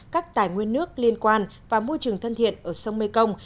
các tài nguyên nước liên quan và môi trường thân thiện ở sông mekong